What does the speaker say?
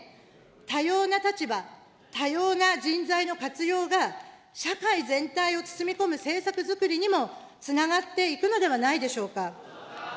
多様な立場、多様な人材の活用が社会全体を包み込む政策作りにもつながっていくのではないでしょうか。